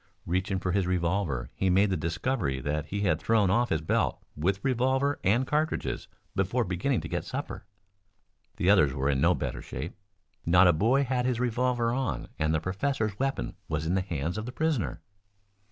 Reaching for his revolver he made the discovery that he had thrown off his belt with revolver and cartridges before beginning to get supper. The others were in no better shape. Not a boy had his revolver on, and the professor's weapon was in the hands of the prisoner.